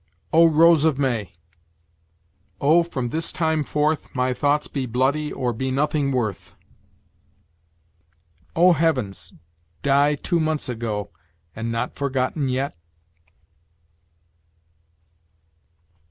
"O rose of May!" "Oh, from this time forth, my thoughts be bloody or be nothing worth!" "O heavens! die two months ago, and not forgotten yet?"